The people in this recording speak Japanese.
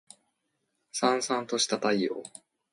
燦燦とした太陽